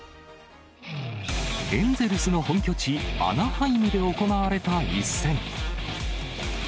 エンゼルスの本拠地、アナハイムで行われた一戦。